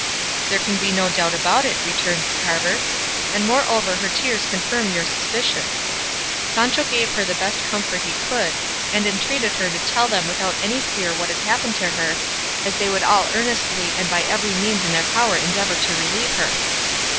"There can be no doubt about it," returned the carver, "and moreover her tears confirm your suspicion." Sancho gave her the best comfort he could, and entreated her to tell them without any fear what had happened her, as they would all earnestly and by every means in their power endeavour to relieve her.